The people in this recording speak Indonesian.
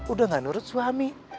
udah gak nurut suami